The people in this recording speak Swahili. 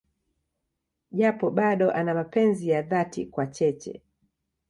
Japo bado ana mapenzi ya dhati kwa Cheche.